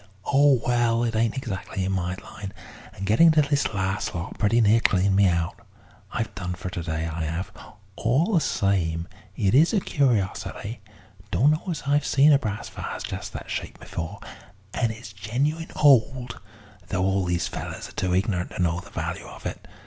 Oh, well, it ain't exactly in my line, and getting this last lot pretty near cleaned me out. I've done for to day, I 'ave. All the same, it is a curiosity; dunno as I've seen a brass vawse just that shape before, and it's genuine old, though all these fellers are too ignorant to know the value of it.